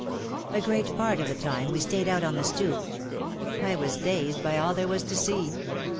A great part of the time we stayed out on the stoop. I was dazed by all there was to see.